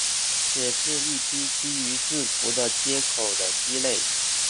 也是一批基于字符的接口的基类。